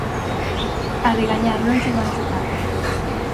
A de gañar lonxe do Anxo Carro.